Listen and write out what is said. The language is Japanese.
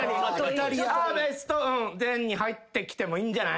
ベスト１０に入ってきてもいいんじゃない？